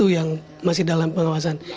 yang masih dalam pengawasan